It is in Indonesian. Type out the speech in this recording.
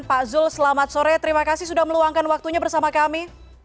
pak zul selamat sore terima kasih sudah meluangkan waktunya bersama kami